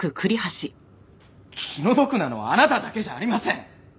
気の毒なのはあなただけじゃありません。